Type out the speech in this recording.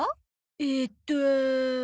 えーっと。